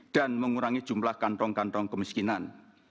mengurangi jumlah kantong kantong kemiskinan